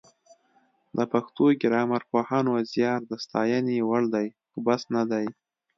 د پښتو ګرامرپوهانو زیار د ستاینې وړ دی خو بس نه دی